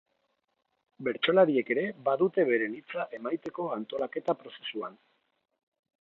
Bertsolariek ere badute beren hitza emaiteko antolaketa prozesuan.